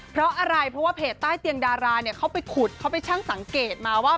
เพราะอะไรเพราะว่าเพจใต้เตียงดาราเนี่ยเขาไปขุดเขาไปช่างสังเกตมาว่า